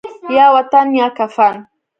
یا وطن یا کفن